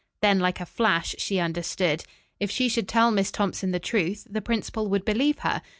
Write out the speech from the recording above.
Then like a flash she understood. If she should tell Miss Thompson the truth, the principal would believe her.